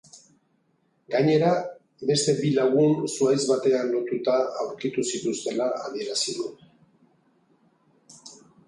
Gainera, beste bi lagun zuhaitz batean lotuta aurkitu zituztela adierazi du.